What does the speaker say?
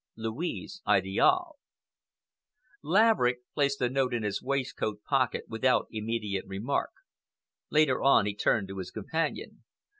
LOUISE IDIALE. Laverick placed the note in his waistcoat pocket without immediate remark. Later on he turned to his companion.